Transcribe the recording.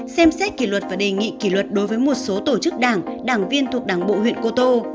xem xét kỷ luật và đề nghị kỷ luật đối với một số tổ chức đảng đảng viên thuộc đảng bộ huyện cô tô